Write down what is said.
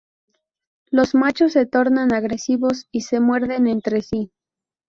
Los machos se tornan agresivos y se muerden entre sí.